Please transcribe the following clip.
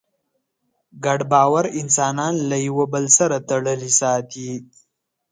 ګډ باور انسانان له یوه بل سره تړلي ساتي.